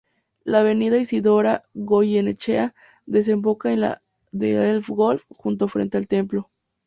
La avenida Isidora Goyenechea desemboca en la de El Golf, justo frente al templo.